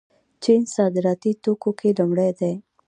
چین صادراتي توکو کې لومړی دی.